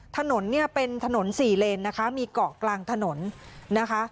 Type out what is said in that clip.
ถนนเนี่ยเป็นถนนสี่เลนนะคะมีเกาะกลางถนนนะคะ